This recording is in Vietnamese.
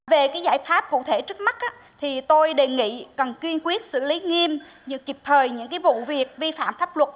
về giải pháp cụ thể trước mắt thì tôi đề nghị cần kiên quyết xử lý nghiêm như kịp thời những vụ việc vi phạm pháp luật